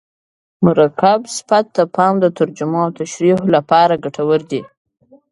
مرکب صفت ته پام د ترجمو او تشریحو له پاره ګټور دئ.